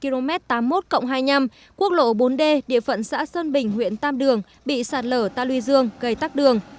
nửa mét tám mươi một cộng hai mươi năm quốc lộ bốn d địa phận xã sơn bình huyện tam đường bị sạt lở ta lùi dương gây tắc đường